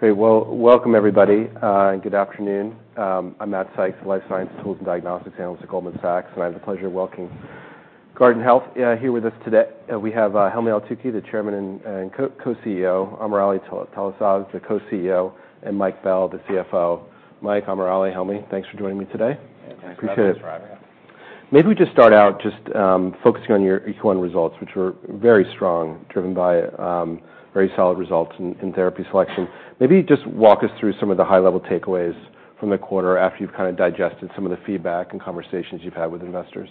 Great. Well, welcome everybody. Good afternoon. I'm Matt Sykes, Life Science Tools and Diagnostics Analyst at Goldman Sachs, and I have the pleasure of welcoming Guardant Health here with us today. We have Helmy Eltoukhy, the chairman and, and Co-CEO, AmirAli Talasaz, the Co-CEO, and Mike Bell, the CFO. Mike, AmirAli, Helmy, thanks for joining me today. Thanks, guys. Appreciate it. Thanks for having us. Maybe we just start out, focusing on your Q3 results, which were very strong, driven by very solid results in therapy selection. Maybe just walk us through some of the high-level takeaways from the quarter after you've kind of digested some of the feedback and conversations you've had with investors.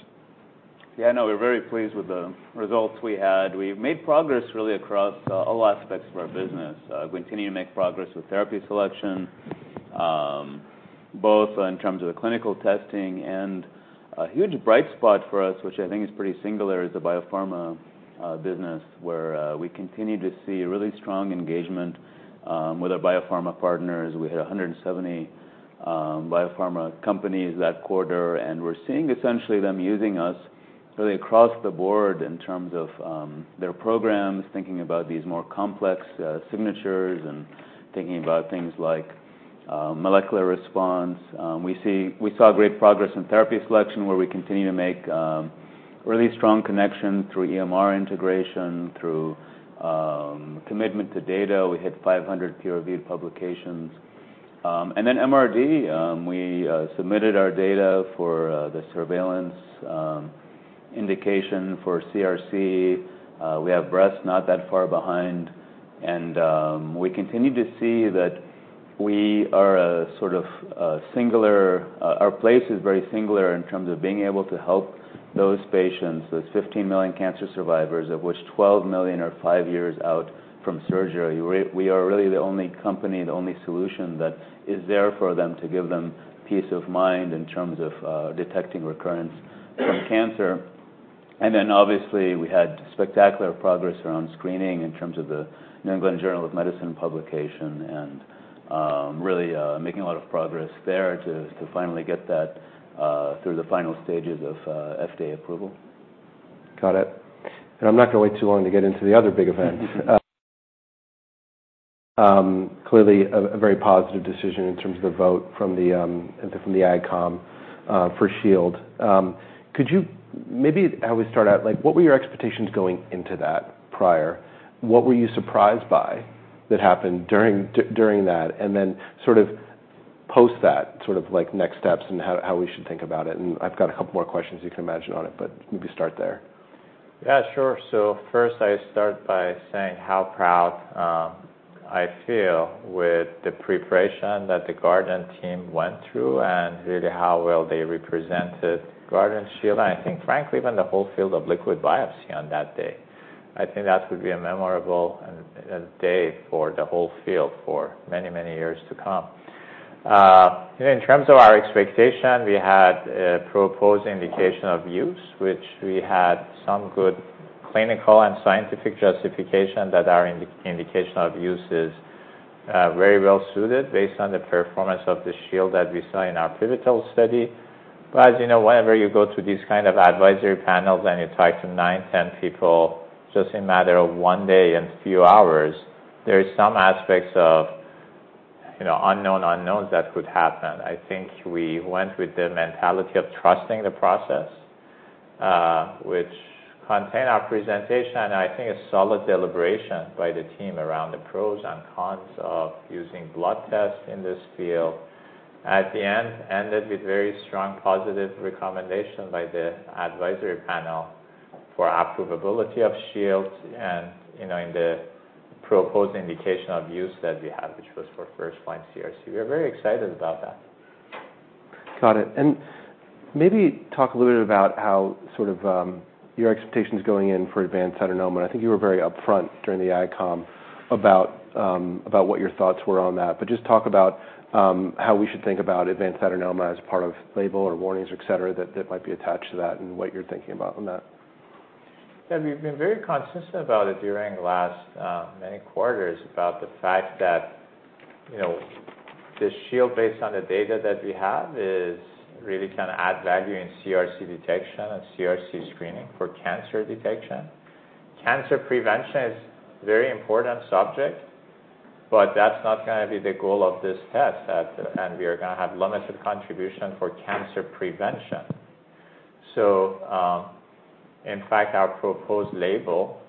Yeah, no, we're very pleased with the results we had. We've made progress really across all aspects of our business. We continue to make progress with therapy selection, both in terms of the clinical testing and a huge bright spot for us, which I think is pretty singular, is the biopharma business where we continue to see really strong engagement with our biopharma partners. We had 170 biopharma companies that quarter, and we're seeing essentially them using us really across the board in terms of their programs, thinking about these more complex signatures and thinking about things like molecular response. We see we saw great progress in therapy selection where we continue to make really strong connections through EMR integration, through commitment to data. We hit 500 peer-reviewed publications. And then MRD, we submitted our data for the surveillance indication for CRC. We have breast not that far behind, and we continue to see that we are a sort of singular, our place is very singular in terms of being able to help those patients, those 15 million cancer survivors, of which 12 million are five years out from surgery. We are really the only company, the only solution that is there for them to give them peace of mind in terms of detecting recurrence from cancer. And then obviously we had spectacular progress around screening in terms of the New England Journal of Medicine publication and really making a lot of progress there to finally get that through the final stages of FDA approval. Got it. And I'm not gonna wait too long to get into the other big event, clearly a very positive decision in terms of the vote from the AdCom for Shield. Could you maybe how we start out, like, what were your expectations going into that prior? What were you surprised by that happened during that? And then sort of post that, sort of like next steps and how we should think about it. And I've got a couple more questions you can imagine on it, but maybe start there. Yeah, sure. So first I start by saying how proud I feel with the preparation that the Guardant team went through and really how well they represented Guardant Shield and I think frankly even the whole field of liquid biopsy on that day. I think that would be a memorable day for the whole field for many, many years to come. You know, in terms of our expectation, we had a proposed indication of use, which we had some good clinical and scientific justification that our indication of use is very well-suited based on the performance of the Shield that we saw in our pivotal study. But as you know, whenever you go to these kind of advisory panels and you talk to 9, 10 people just in a matter of one day and few hours, there are some aspects of, you know, unknown unknowns that could happen. I think we went with the mentality of trusting the process, which contained our presentation and I think a solid deliberation by the team around the pros and cons of using blood tests in this field. At the end, ended with very strong positive recommendation by the advisory panel for approvability of Shield and, you know, in the proposed indication of use that we had, which was for first-line CRC. We were very excited about that. Got it. Maybe talk a little bit about how sort of, your expectations going in for advanced adenoma. I think you were very upfront during the AdCom about, about what your thoughts were on that, but just talk about, how we should think about advanced adenoma as part of label or warnings, etc., that, that might be attached to that and what you're thinking about on that. Yeah, we've been very conscious about it during last many quarters about the fact that, you know, the Shield based on the data that we have is really kind of add value in CRC detection and CRC screening for cancer detection. Cancer prevention is a very important subject, but that's not gonna be the goal of this test at. And we are gonna have limited contribution for cancer prevention. So, in fact, our proposed label,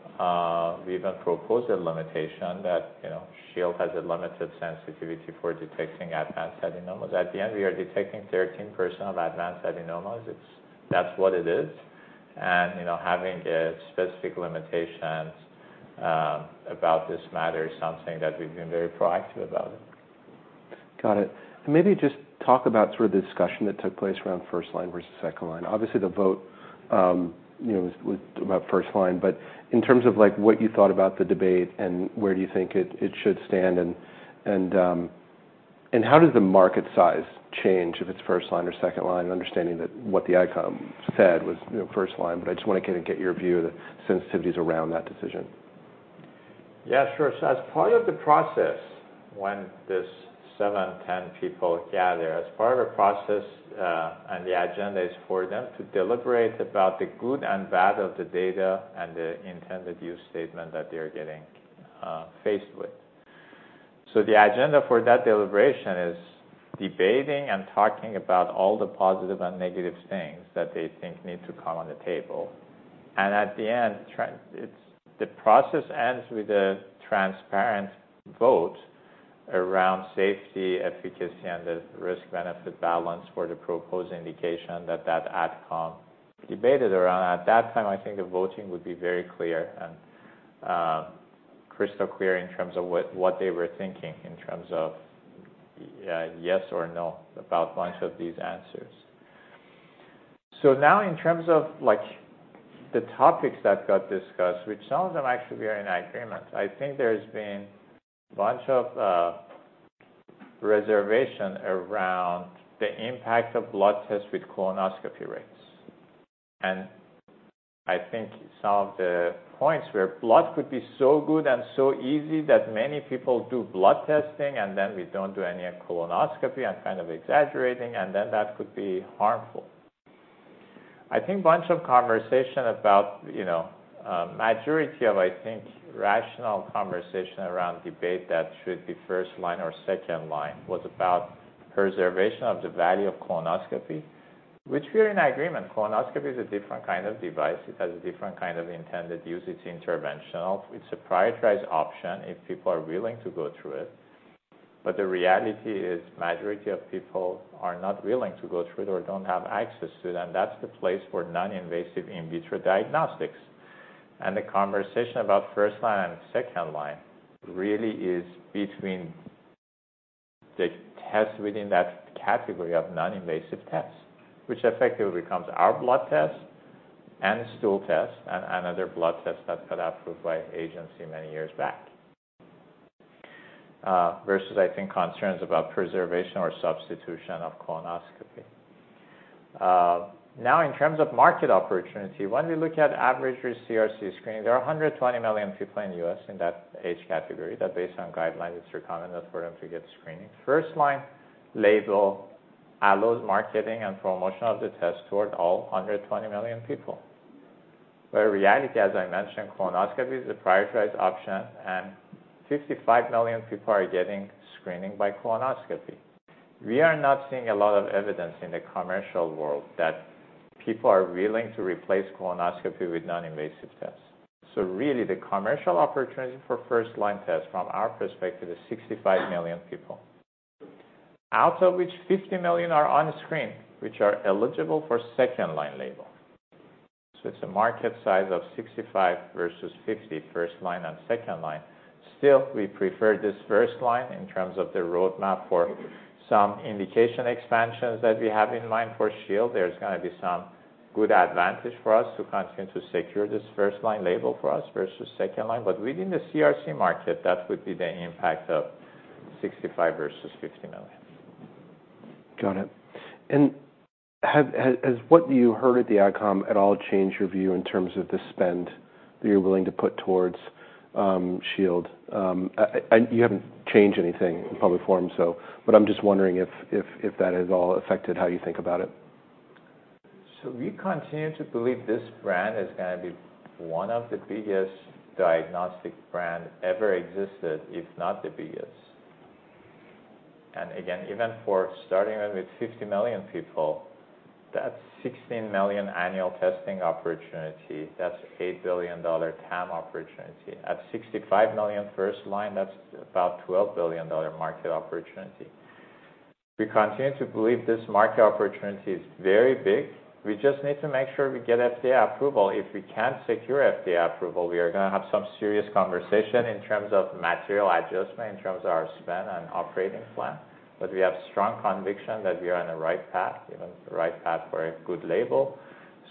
we even proposed a limitation that, you know, Shield has a limited sensitivity for detecting advanced adenomas. At the end, we are detecting 13% of advanced adenomas. It's that's what it is. And, you know, having a specific limitation about this matter is something that we've been very proactive about. Got it. And maybe just talk about sort of the discussion that took place around first-line versus second-line. Obviously the vote, you know, was about first-line, but in terms of like what you thought about the debate and where do you think it should stand and how does the market size change if it's first-line or second-line, understanding that what the AdCom said was, you know, first-line, but I just wanna kinda get your view of the sensitivities around that decision. Yeah, sure. So as part of the process when this 7-10 people gather, as part of the process, and the agenda is for them to deliberate about the good and bad of the data and the intended use statement that they're getting, faced with. So the agenda for that deliberation is debating and talking about all the positive and negative things that they think need to come on the table. And at the end, try it's the process ends with a transparent vote around safety, efficacy, and the risk-benefit balance for the proposed indication that that AdCom debated around. At that time, I think the voting would be very clear and, crystal clear in terms of what, what they were thinking in terms of, yes or no about bunch of these answers. So now, in terms of like the topics that got discussed, which some of them actually we are in agreement, I think there's been a bunch of reservations around the impact of blood tests with colonoscopy rates. And I think some of the points where blood could be so good and so easy that many people do blood testing and then we don't do any colonoscopy and kind of exaggerating, and then that could be harmful. I think a bunch of conversation about, you know, majority of I think rational conversation around debate that should be first-line or second-line was about preservation of the value of colonoscopy, which we are in agreement. Colonoscopy is a different kind of device. It has a different kind of intended use. It's interventional. It's a prioritized option if people are willing to go through it. The reality is majority of people are not willing to go through it or don't have access to it, and that's the place for non-invasive in vitro diagnostics. The conversation about first-line and second-line really is between the tests within that category of non-invasive tests, which effectively becomes our blood test and stool test and other blood tests that got approved by agency many years back, versus I think concerns about preservation or substitution of colonoscopy. Now, in terms of market opportunity, when we look at average risk CRC screening, there are 120 million people in the U.S. in that age category that, based on guidelines, it's recommended for them to get screening. First-line label allows marketing and promotion of the test toward all 120 million people. In reality, as I mentioned, colonoscopy is a prioritized option and 55 million people are getting screening by colonoscopy. We are not seeing a lot of evidence in the commercial world that people are willing to replace colonoscopy with non-invasive tests. So really the commercial opportunity for first-line test from our perspective is 65 million people, out of which 50 million are unscreened, which are eligible for second-line label. So it's a market size of 65 versus 50, first-line and second-line. Still, we prefer this first-line in terms of the roadmap for some indication expansions that we have in mind for Shield. There's gonna be some good advantage for us to continue to secure this first-line label for us versus second-line. But within the CRC market, that would be the impact of 65 versus 50 million. Got it. And has what you heard at the AdCom at all changed your view in terms of the spend that you're willing to put towards Shield? You haven't changed anything in public forum, so, but I'm just wondering if that has all affected how you think about it. So we continue to believe this brand is gonna be one of the biggest diagnostic brand ever existed, if not the biggest. And again, even for starting with 50 million people, that's 16 million annual testing opportunity. That's $8 billion TAM opportunity. At 65 million first-line, that's about $12 billion market opportunity. We continue to believe this market opportunity is very big. We just need to make sure we get FDA approval. If we can't secure FDA approval, we are gonna have some serious conversation in terms of material adjustment, in terms of our spend and operating plan. But we have strong conviction that we are on the right path, even the right path for a good label.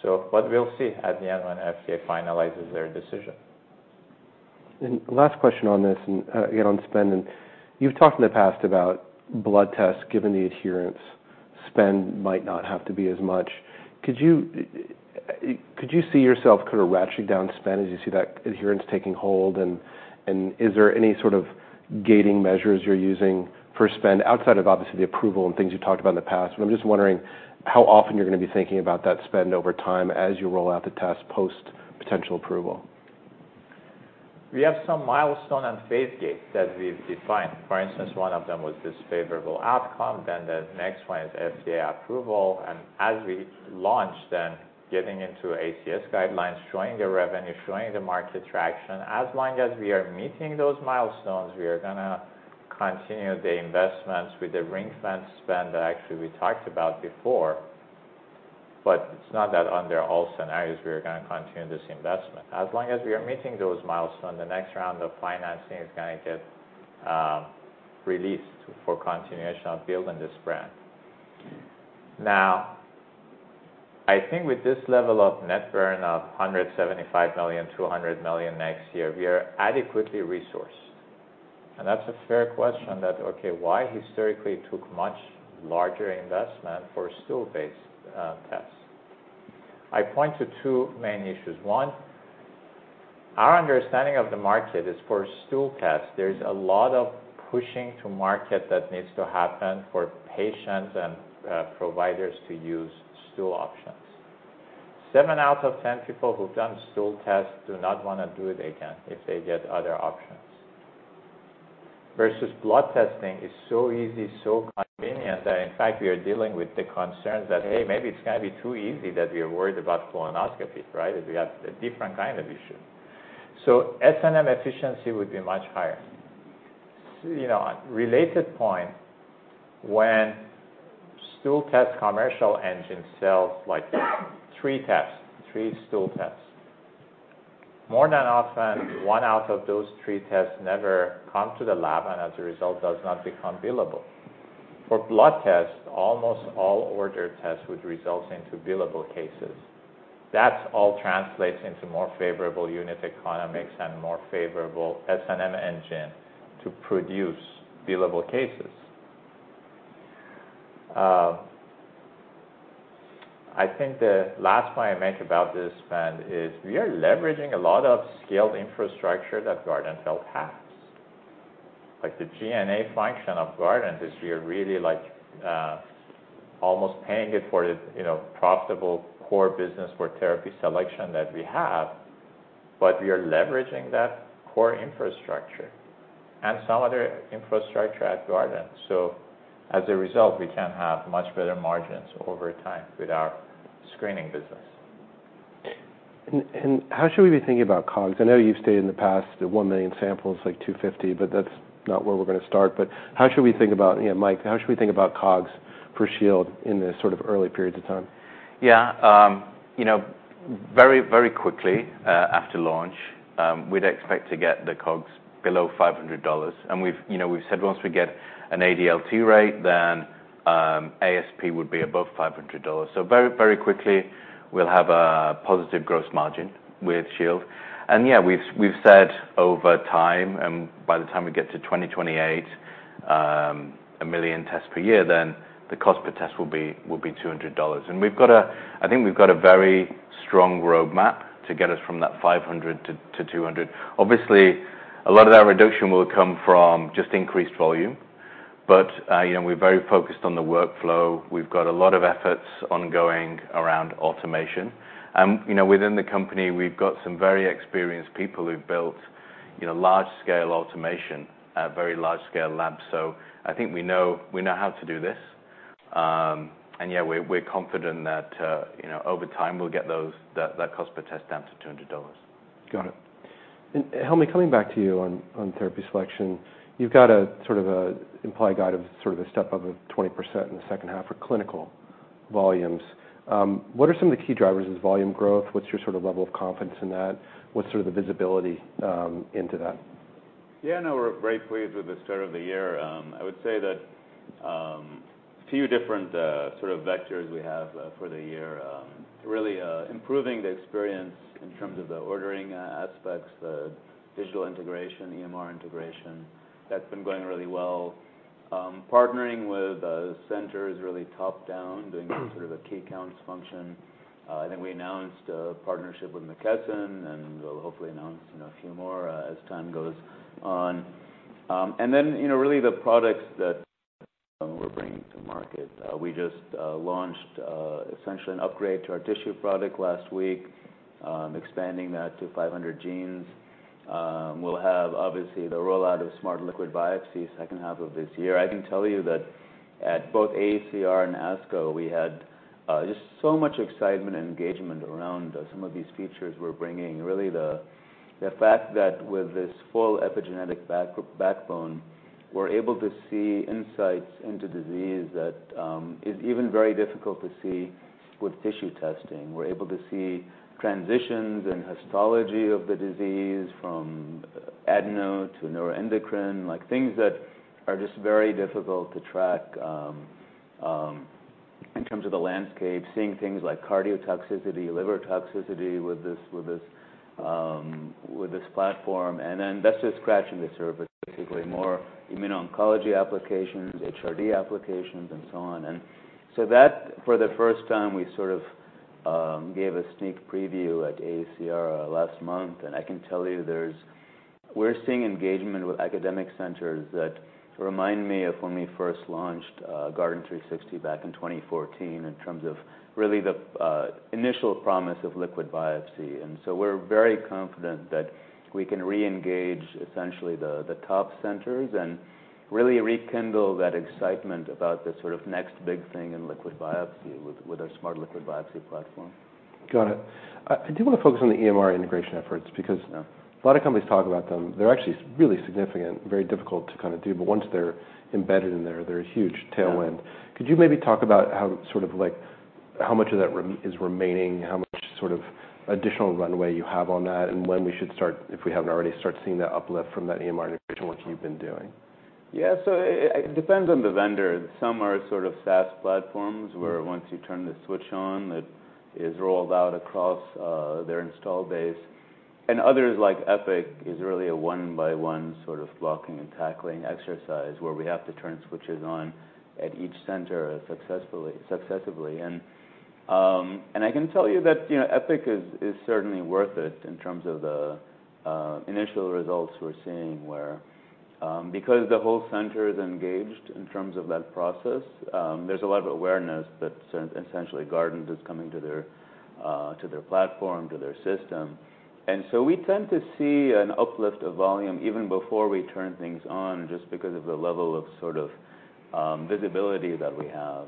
So, but we'll see at the end when FDA finalizes their decision. Last question on this, and again on spend. You've talked in the past about blood tests given the adherence, spend might not have to be as much. Could you, could you see yourself kind of ratcheting down spend as you see that adherence taking hold? And is there any sort of gating measures you're using for spend outside of obviously the approval and things you've talked about in the past? But I'm just wondering how often you're gonna be thinking about that spend over time as you roll out the test post potential approval. We have some milestone and phase gate that we've defined. For instance, one of them was this favorable outcome. Then the next one is FDA approval. And as we launch then getting into ACS guidelines, showing the revenue, showing the market traction. As long as we are meeting those milestones, we are gonna continue the investments with the ring-fenced spend that actually we talked about before. But it's not that under all scenarios we are gonna continue this investment. As long as we are meeting those milestones, the next round of financing is gonna get released for continuation of building this brand. Now, I think with this level of net burn of $175 million, $200 million next year, we are adequately resourced. And that's a fair question that, okay, why historically took much larger investment for stool-based tests? I point to two main issues. One, our understanding of the market is for stool tests, there's a lot of pushing to market that needs to happen for patients and providers to use stool options. Seven out of 10 people who've done stool tests do not wanna do it again if they get other options. Versus blood testing is so easy, so convenient that in fact we are dealing with the concerns that, hey, maybe it's gonna be too easy that we are worried about colonoscopy, right? We have a different kind of issue. So S&M efficiency would be much higher. So, you know, related point, when stool test commercial engine sells like three tests, three stool tests, more than often one out of those 3 tests never come to the lab and as a result does not become billable. For blood test, almost all ordered tests would result into billable cases. That's all translates into more favorable unit economics and more favorable S&M engine to produce billable cases. I think the last point I make about this spend is we are leveraging a lot of scaled infrastructure that Guardant Health has. Like the G&A function of Guardant is we are really like, almost paying it for the, you know, profitable core business for therapy selection that we have, but we are leveraging that core infrastructure and some other infrastructure at Guardant. So as a result, we can have much better margins over time with our screening business. And how should we be thinking about COGS? I know you've stated in the past the 1 million sample is like $250, but that's not where we're gonna start. But how should we think about, you know, Mike, how should we think about COGS for Shield in this sort of early period of time? Yeah, you know, very, very quickly, after launch, we'd expect to get the COGS below $500. And we've, you know, we've said once we get an ADLT rate, then, ASP would be above $500. So very, very quickly we'll have a positive gross margin with Shield. And yeah, we've, we've said over time, and by the time we get to 2028, 1 million tests per year, then the cost per test will be, will be $200. And we've got a, I think we've got a very strong roadmap to get us from that $500 to $200. Obviously, a lot of that reduction will come from just increased volume. But, you know, we're very focused on the workflow. We've got a lot of efforts ongoing around automation. And, you know, within the company, we've got some very experienced people who've built, you know, large-scale automation at very large-scale labs. I think we know, we know how to do this. Yeah, we're, we're confident that, you know, over time we'll get that cost per test down to $200. Got it. Helmy, coming back to you on, on therapy selection, you've got a sort of a implied guide of sort of a step up of 20% in the second half for clinical volumes. What are some of the key drivers of volume growth? What's your sort of level of confidence in that? What's sort of the visibility into that? Yeah, no, we're very pleased with the start of the year. I would say that a few different, sort of vectors we have for the year, really, improving the experience in terms of the ordering aspects, the digital integration, EMR integration. That's been going really well. Partnering with centers really top-down, doing sort of a key accounts function. I think we announced a partnership with McKesson and will hopefully announce, you know, a few more, as time goes on. And then, you know, really the products that we're bringing to market. We just launched, essentially an upgrade to our tissue product last week, expanding that to 500 genes. We'll have obviously the rollout of smart liquid biopsies second half of this year. I can tell you that at both AACR and ASCO, we had just so much excitement and engagement around some of these features we're bringing. Really, the fact that with this full epigenetic backbone, we're able to see insights into disease that is even very difficult to see with tissue testing. We're able to see transitions in histology of the disease from adeno to neuroendocrine, like things that are just very difficult to track in terms of the landscape, seeing things like cardiotoxicity, liver toxicity with this platform. And then that's just scratching the surface, basically more immuno-oncology applications, HRD applications, and so on. And so, for the first time we sort of gave a sneak preview at AACR last month. And I can tell you, we're seeing engagement with academic centers that remind me of when we first launched Guardant360 back in 2014 in terms of really the initial promise of liquid biopsy. And so we're very confident that we can re-engage essentially the top centers and really rekindle that excitement about the sort of next big thing in liquid biopsy with our smart liquid biopsy platform. Got it. I do wanna focus on the EMR integration efforts because. Yeah. A lot of companies talk about them. They're actually really significant, very difficult to kind of do, but once they're embedded in there, they're a huge tailwind. Could you maybe talk about how sort of like, how much of that work is remaining, how much sort of additional runway you have on that, and when we should start, if we haven't already, start seeing that uplift from that EMR integration work you've been doing? Yeah, so it, it depends on the vendor. Some are sort of SaaS platforms where once you turn the switch on, it is rolled out across their install base. And others like Epic is really a one-by-one sort of blocking and tackling exercise where we have to turn switches on at each center successfully, successively. And, and I can tell you that, you know, Epic is, is certainly worth it in terms of the initial results we're seeing where, because the whole center is engaged in terms of that process, there's a lot of awareness that so essentially Guardant is coming to their, to their platform, to their system. And so we tend to see an uplift of volume even before we turn things on just because of the level of sort of visibility that we have.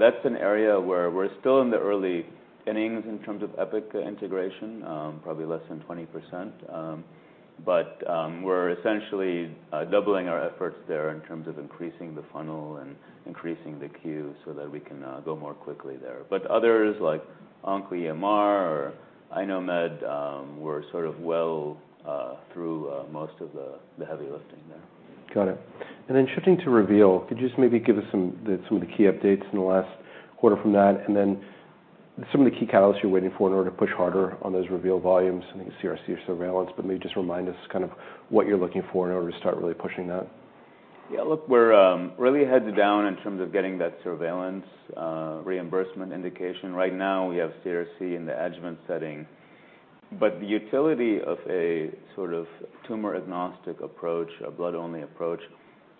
That's an area where we're still in the early innings in terms of Epic integration, probably less than 20%. But we're essentially doubling our efforts there in terms of increasing the funnel and increasing the queue so that we can go more quickly there. But others like OncoEMR or iKnowMed, we're sort of well through most of the heavy lifting there. Got it. And then shifting to Reveal, could you just maybe give us some of the, some of the key updates in the last quarter from that? And then some of the key catalysts you're waiting for in order to push harder on those Reveal volumes and CRC surveillance, but maybe just remind us kind of what you're looking for in order to start really pushing that. Yeah, look, we're really heads down in terms of getting that surveillance reimbursement indication. Right now we have CRC in the adjuvant setting. But the utility of a sort of tumor agnostic approach, a blood-only approach,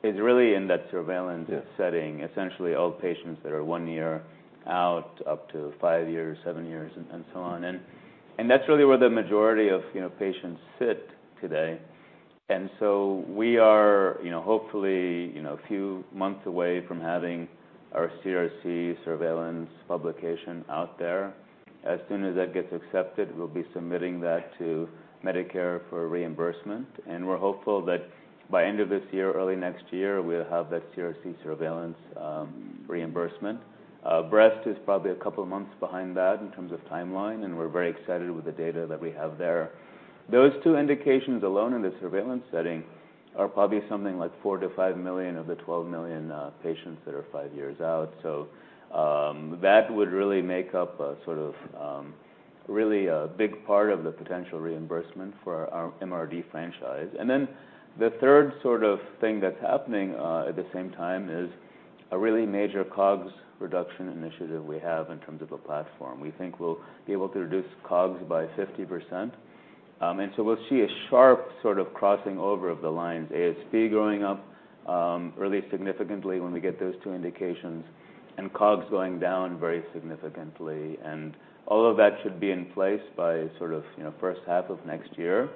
is really in that surveillance setting. Yeah.Essentially all patients that are 1 year out, up to 5 years, 7 years, and so on. And that's really where the majority of, you know, patients sit today. And so we are, you know, hopefully, you know, a few months away from having our CRC surveillance publication out there. As soon as that gets accepted, we'll be submitting that to Medicare for reimbursement. And we're hopeful that by end of this year, early next year, we'll have that CRC surveillance reimbursement. Breast is probably a couple of months behind that in terms of timeline, and we're very excited with the data that we have there. Those two indications alone in the surveillance setting are probably something like 4 million-5 million of the 12 million patients that are 5 years out. So, that would really make up a sort of, really a big part of the potential reimbursement for our MRD franchise. And then the third sort of thing that's happening, at the same time is a really major COGS reduction initiative we have in terms of a platform. We think we'll be able to reduce COGS by 50%. And so we'll see a sharp sort of crossing over of the lines, ASP growing up, really significantly when we get those two indications, and COGS going down very significantly. And all of that should be in place by sort of, you know, first half of next year.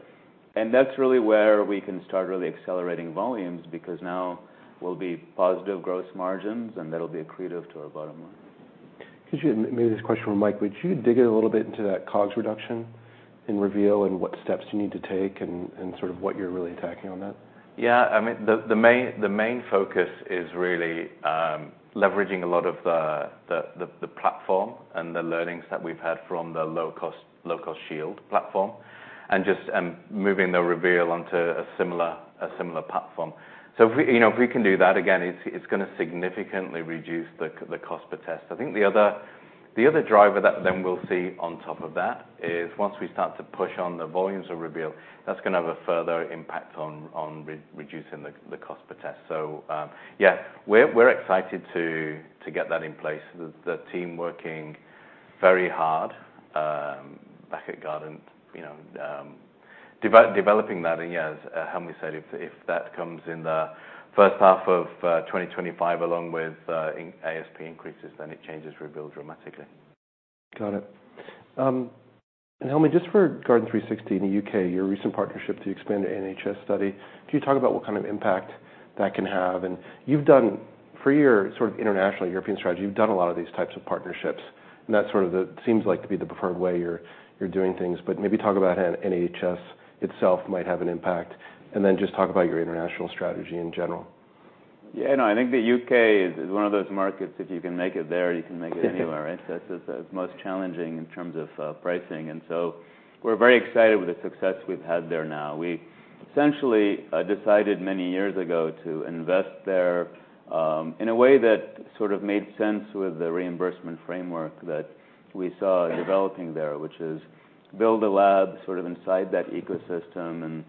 And that's really where we can start really accelerating volumes because now we'll be positive gross margins and that'll be accretive to our bottom line. Could you maybe this question for Mike, would you dig in a little bit into that COGS reduction and Reveal and what steps you need to take and, and sort of what you're really attacking on that? Yeah, I mean, the main focus is really leveraging a lot of the platform and the learnings that we've had from the low-cost Shield platform and just moving the Reveal onto a similar platform. So if we, you know, if we can do that again, it's gonna significantly reduce the cost per test. I think the other driver that then we'll see on top of that is once we start to push on the volumes of Reveal, that's gonna have a further impact on reducing the cost per test. So, yeah, we're excited to get that in place. The team working very hard, back at Guardant, you know, developing that. And yeah, as Helmy said, if, if that comes in the first half of 2025 along with ASP increases, then it changes Reveal dramatically. Got it. And Helmy, just for Guardant360 in the U.K., your recent partnership to expand the NHS study, could you talk about what kind of impact that can have? And you've done for your sort of international European strategy, you've done a lot of these types of partnerships. And that's sort of the, it seems like to be the preferred way you're, you're doing things, but maybe talk about how NHS itself might have an impact. And then just talk about your international strategy in general. Yeah, no, I think the U.K. is one of those markets, if you can make it there, you can make it anywhere, right? That's just the most challenging in terms of pricing. And so we're very excited with the success we've had there now. We essentially decided many years ago to invest there, in a way that sort of made sense with the reimbursement framework that we saw developing there, which is build a lab sort of inside that ecosystem and,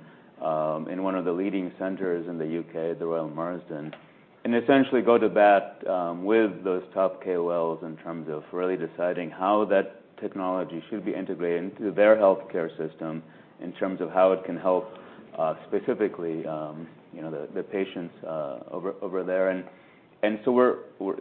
in one of the leading centers in the U.K., the Royal Marsden and essentially go to bat with those top KOLs in terms of really deciding how that technology should be integrated into their healthcare system in terms of how it can help, specifically, you know, the patients over there. And so we're,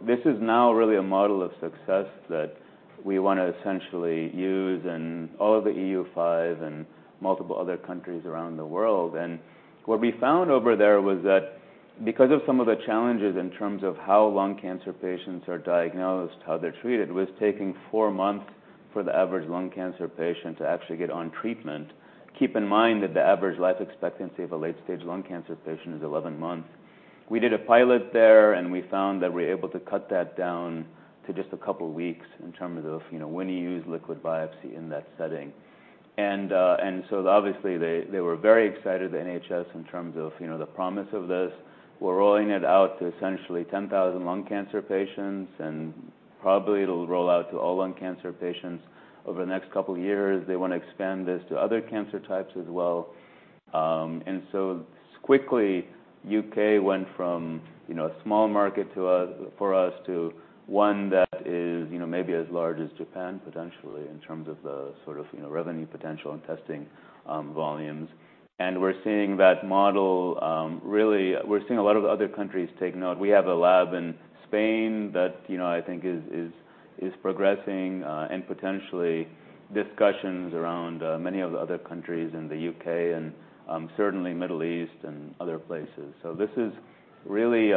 this is now really a model of success that we wanna essentially use in all of the EU5 and multiple other countries around the world. And what we found over there was that because of some of the challenges in terms of how lung cancer patients are diagnosed, how they're treated, was taking 4 months for the average lung cancer patient to actually get on treatment. Keep in mind that the average life expectancy of a late-stage lung cancer patient is 11 months. We did a pilot there and we found that we're able to cut that down to just a couple weeks in terms of, you know, when you use liquid biopsy in that setting. And so obviously they were very excited, the NHS, in terms of, you know, the promise of this. We're rolling it out to essentially 10,000 lung cancer patients and probably it'll roll out to all lung cancer patients over the next couple of years. They wanna expand this to other cancer types as well. And so quickly the U.K. went from, you know, a small market to a, for us to one that is, you know, maybe as large as Japan potentially in terms of the sort of, you know, revenue potential and testing volumes. And we're seeing that model, really, we're seeing a lot of other countries take note. We have a lab in Spain that, you know, I think is progressing, and potentially discussions around many of the other countries in the U.K. and certainly Middle East and other places. So this is really, you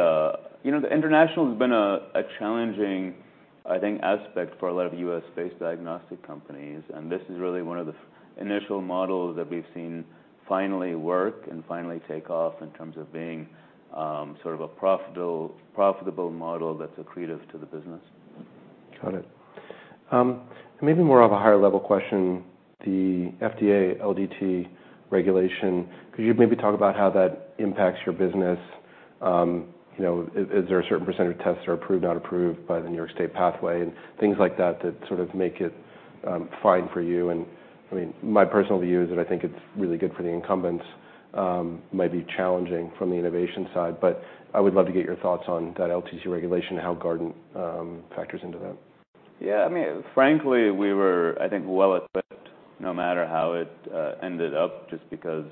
know, the international has been a, a challenging, I think, aspect for a lot of U.S.-based diagnostic companies. This is really one of the initial models that we've seen finally work and finally take off in terms of being, sort of a profitable, profitable model that's accretive to the business. Got it. Maybe more of a higher-level question, the FDA LDT regulation. Could you maybe talk about how that impacts your business? You know, is, is there a certain percentage of tests that are approved, not approved by the New York State pathway and things like that that sort of make it, fine for you? And I mean, my personal view is that I think it's really good for the incumbents, might be challenging from the innovation side, but I would love to get your thoughts on that LDT regulation and how Guardant factors into that. Yeah, I mean, frankly, we were, I think, well equipped no matter how it ended up just because,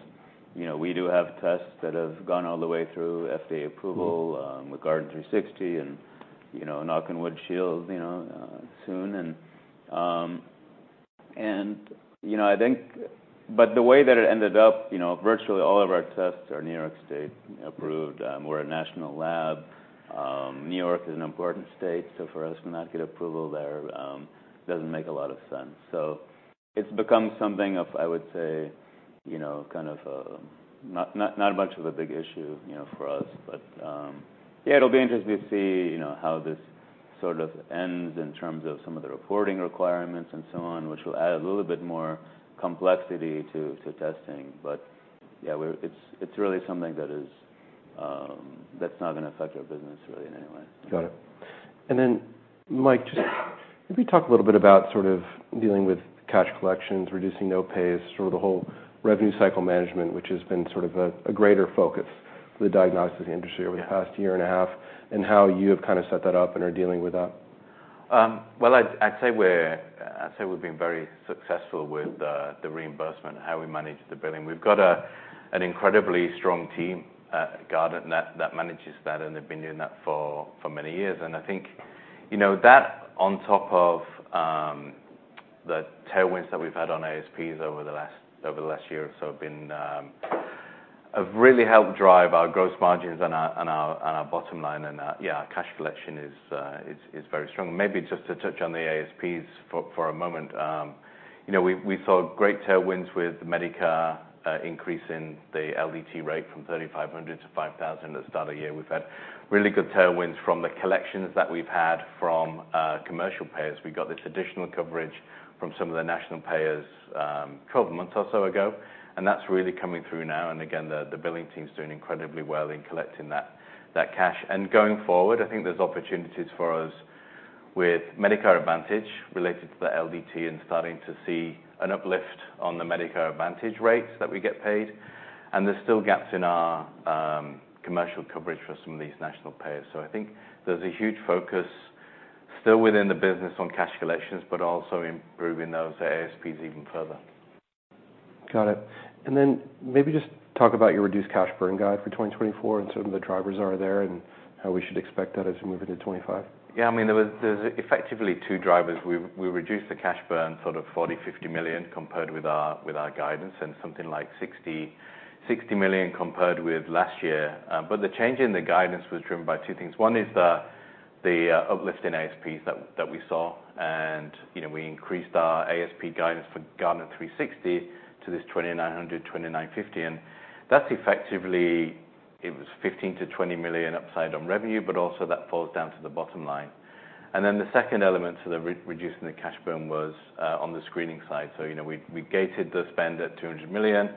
you know, we do have tests that have gone all the way through FDA approval, with Guardant360 and, you know, knocking wood Shield, you know, soon. And, you know, I think, but the way that it ended up, you know, virtually all of our tests are New York State approved. We're a national lab. New York is an important state. So for us to not get approval there, doesn't make a lot of sense. So it's become something of, I would say, you know, kind of a not much of a big issue, you know, for us. But, yeah, it'll be interesting to see, you know, how this sort of ends in terms of some of the reporting requirements and so on, which will add a little bit more complexity to testing. But yeah, it's really something that's not gonna affect our business really in any way. Got it. And then Mike, just maybe talk a little bit about sort of dealing with cash collections, reducing no pays, sort of the whole revenue cycle management, which has been sort of a greater focus for the diagnostics industry over the past year and a half and how you have kind of set that up and are dealing with that. Well, I'd say we've been very successful with the reimbursement, how we manage the billing. We've got an incredibly strong team, Guardant, that manages that, and they've been doing that for many years. And I think, you know, that on top of the tailwinds that we've had on ASPs over the last year or so have really helped drive our gross margins and our bottom line. And, yeah, our cash collection is very strong. Maybe just to touch on the ASPs for a moment. You know, we saw great tailwinds with Medicare, increasing the LDT rate from $3,500 to $5,000 at the start of the year. We've had really good tailwinds from the collections that we've had from commercial payers. We got this additional coverage from some of the national payers, 12 months or so ago, and that's really coming through now. And again, the billing team's doing incredibly well in collecting that cash. And going forward, I think there's opportunities for us with Medicare Advantage related to the LDT and starting to see an uplift on the Medicare Advantage rates that we get paid. And there's still gaps in our commercial coverage for some of these national payers. So I think there's a huge focus still within the business on cash collections, but also improving those ASPs even further. Got it. And then maybe just talk about your reduced cash burn guide for 2024 and some of the drivers that are there and how we should expect that as we move into 2025. Yeah, I mean, there was, there's effectively two drivers. We reduced the cash burn sort of $40 million-$50 million compared with our guidance and something like $60 million compared with last year. The change in the guidance was driven by two things. One is the uplift in ASPs that we saw. And, you know, we increased our ASP guidance for Guardant360 to $2,900-$2,950. And that's effectively, it was $15 million-$20 million upside on revenue, but also that falls down to the bottom line. And then the second element to reducing the cash burn was on the screening side. So, you know, we gated the spend at $200 million.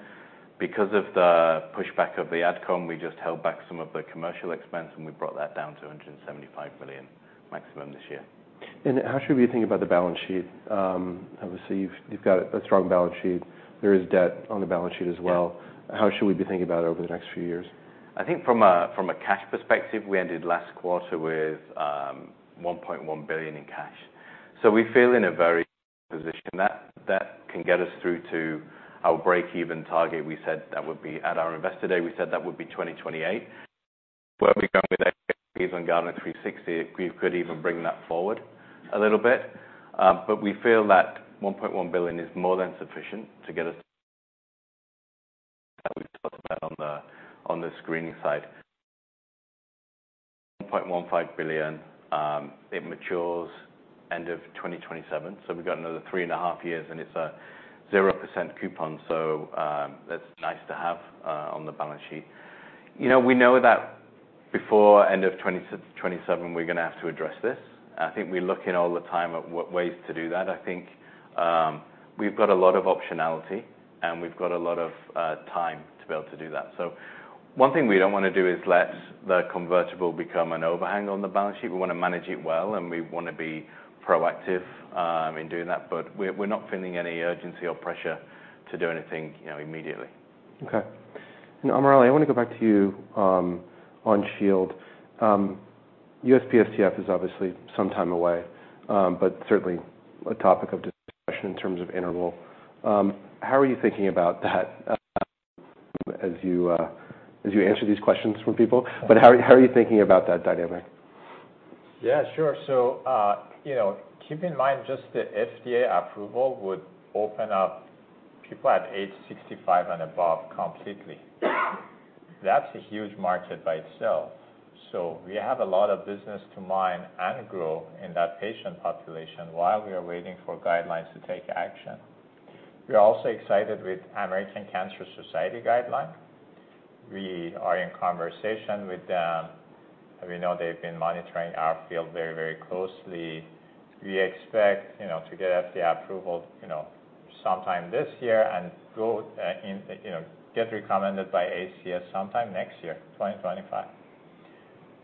Because of the pushback of the AdCom, we just held back some of the commercial expense and we brought that down to $175 million maximum this year. How should we be thinking about the balance sheet? Obviously you've got a strong balance sheet. There is debt on the balance sheet as well. How should we be thinking about it over the next few years? I think from a cash perspective, we ended last quarter with $1.1 billion in cash. So we feel in a very good position. That can get us through to our break-even target. We said that would be at our investor day, we said that would be 2028. Where are we going with ASPs on Guardant360? We could even bring that forward a little bit. But we feel that $1.1 billion is more than sufficient to get us to what we talked about on the screening side. $1.15 billion, it matures end of 2027. So we've got another 3.5 years and it's a 0% coupon. So, that's nice to have on the balance sheet. You know, we know that before end of 2026, 2027, we're gonna have to address this. I think we look in all the time at what ways to do that. I think, we've got a lot of optionality and we've got a lot of time to be able to do that. So one thing we don't wanna do is let the convertible become an overhang on the balance sheet. We wanna manage it well and we wanna be proactive in doing that. But we're not feeling any urgency or pressure to do anything, you know, immediately. Okay. And AmirAli, I wanna go back to you on Shield. USPSTF is obviously some time away, but certainly a topic of discussion in terms of interval. How are you thinking about that, as you, as you answer these questions from people? But how, how are you thinking about that dynamic? Yeah, sure. So, you know, keep in mind just the FDA approval would open up people at age 65 and above completely. That's a huge market by itself. So we have a lot of business to mind and grow in that patient population while we are waiting for guidelines to take action. We are also excited with American Cancer Society guideline. We are in conversation with them. We know they've been monitoring our field very, very closely. We expect, you know, to get FDA approval, you know, sometime this year and go, in, you know, get recommended by ACS sometime next year, 2025.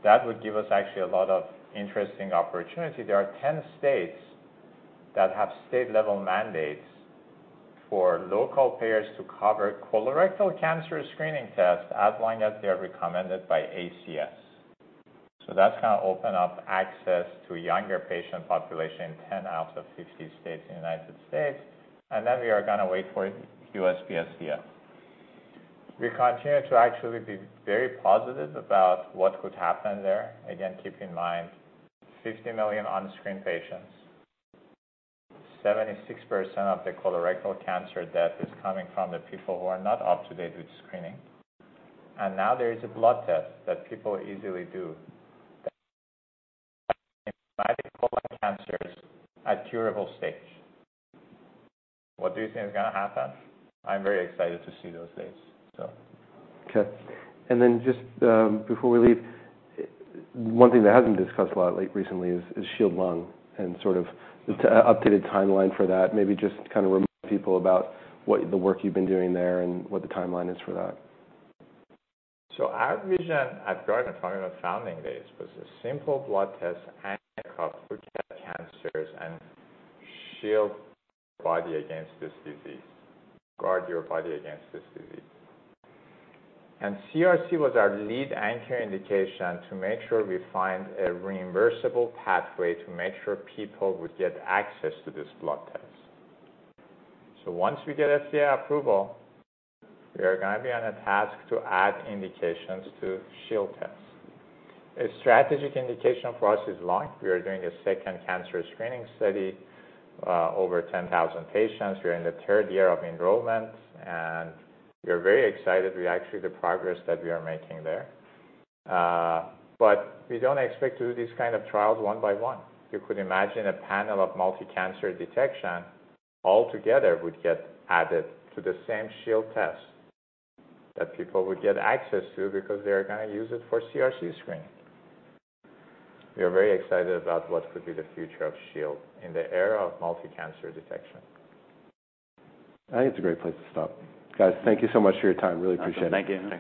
That would give us actually a lot of interesting opportunity. There are 10 states that have state-level mandates for local payers to cover colorectal cancer screening tests as long as they are recommended by ACS. That's gonna open up access to younger patient population in 10 out of 50 states in the United States. Then we are gonna wait for USPSTF. We continue to actually be very positive about what could happen there. Again, keep in mind 50 million unscreened patients. 76% of the colorectal cancer death is coming from the people who are not up to date with screening. Now there is a blood test that people easily do that is medically like cancers at curable stage. What do you think is gonna happen? I'm very excited to see those days, so. Okay. And then just, before we leave, one thing that hasn't been discussed a lot lately is Shield LUNG and sort of the updated timeline for that. Maybe just kind of remind people about what the work you've been doing there and what the timeline is for that. So our vision at Guardant from our founding days was a simple blood test and a cure for cancers and Shield your body against this disease. Guard your body against this disease. And CRC was our lead anchor indication to make sure we find a reimbursable pathway to make sure people would get access to this blood test. So once we get FDA approval, we are gonna be on a task to add indications to Shield tests. A strategic indication for us is lung. We are doing a second cancer screening study, over 10,000 patients. We are in the third year of enrollment and we are very excited with actually the progress that we are making there. But we don't expect to do these kind of trials one by one. You could imagine a panel of multi-cancer detection altogether would get added to the same Shield test that people would get access to because they are gonna use it for CRC screening. We are very excited about what could be the future of Shield in the era of multi-cancer detection. I think it's a great place to stop. Guys, thank you so much for your time. Really appreciate it. Thank you. Thank you.